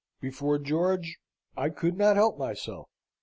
Before George, I could not help myself.